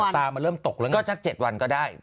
ตามันเริ่มตกแล้วไงก็สัก๗วันก็ได้